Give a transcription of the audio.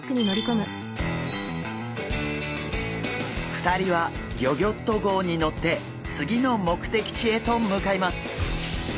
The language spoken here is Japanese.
２人はギョギョッと号にのってつぎの目てき地へとむかいます。